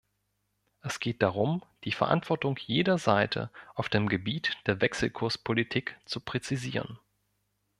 Es geht darum, die Verantwortung jeder Seite auf dem Gebiet der Wechselkurspolitik zu präzisieren.